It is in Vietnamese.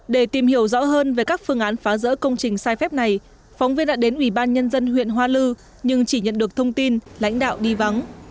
để tìm hiểu rõ hơn về các phương án phá rỡ công trình sai phép này phóng viên đã đến ủy ban nhân dân huyện hoa lư nhưng chỉ nhận được thông tin lãnh đạo đi vắng